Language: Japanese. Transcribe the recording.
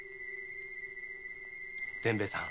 伝兵衛さん